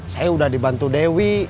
saya sudah dibantu dewi